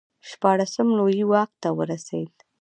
شپاړسم لویي واک ته ورسېد.